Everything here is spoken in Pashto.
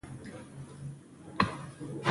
دا پروسه د بشر په ګټه تمامیدل غواړي.